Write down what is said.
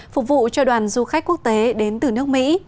phục vụ cho đoàn du khách quốc tế đến từ nước mỹ